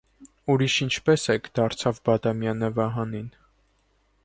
- Ուրի՞շ, ինչպե՞ս եք,- դարձավ Բադամյանը Վահանին: